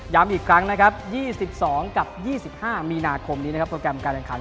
ย้ำอีกครั้งนะครับยี่สิบสองกับยี่สิบห้ามีนาคมนี้นะครับโปรแกรมการแข่งขัน